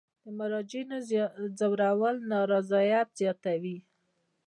د مراجعینو ځورول نارضایت زیاتوي.